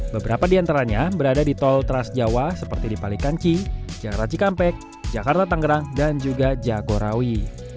beberapa di antaranya berada di tol transjawa seperti di palikanci jakarta cikampek jakarta tangerang dan juga jagorawi